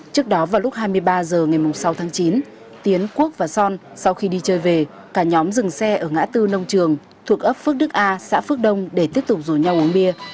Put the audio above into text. trước đó vào lúc hai mươi ba h ngày sáu tháng chín tiến quốc và son sau khi đi chơi về cả nhóm dừng xe ở ngã tư nông trường thuộc ấp phước đức a xã phước đông để tiếp tục rủ nhau uống bia